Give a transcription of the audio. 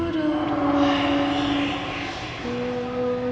suara itu kan